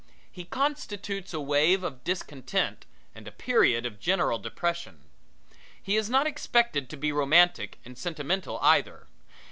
He constitutes a wave of discontent and a period of general depression. He is not expected to be romantic and sentimental either.